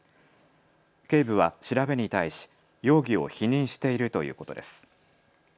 警部は調べに対し容疑を否認しているということです。